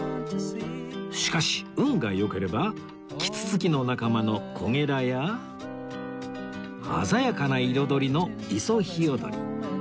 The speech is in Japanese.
しかし運が良ければキツツキの仲間のコゲラや鮮やかな彩りのイソヒヨドリ